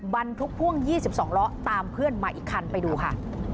บรรทุกพ่วง๒๒ล้อตามเพื่อนมาอีกคันไปดูค่ะ